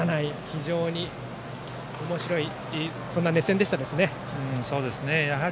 非常におもしろい熱戦でしたね。